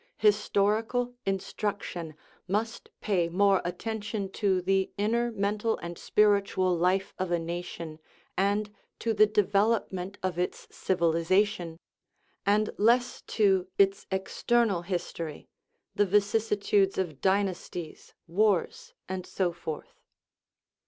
Historical instruction must pay more attention to the inner mental and spiritual life of a nation, and to the development of its civilization, and less to its ex ternal history (the vicissitudes of dynasties, wars, and so forth).